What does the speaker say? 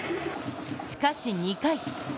しかし２回。